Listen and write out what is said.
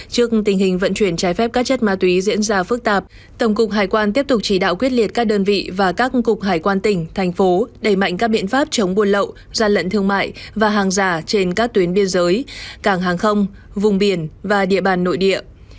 trước tình hình vận chuyển trái phép các chất ma túy diễn ra phức tạp tổng cục hải quan tiếp tục chỉ đạo quyết liệt các đơn vị và các cục hải quan tỉnh thành phố đẩy mạnh các biện pháp chống buôn lậu gian lận thương mại và hàng giả trên các tuyến biên giới cảng hàng không vùng biển và địa bàn nội địa